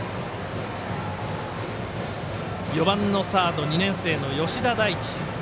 ４番のサード２年生の吉田大馳。